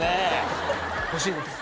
欲しいです。